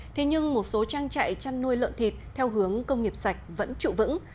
thế nhưng một số trang trại chăn nuôi lợn thịt theo hướng công nghiệp sạch vẫn trụ vững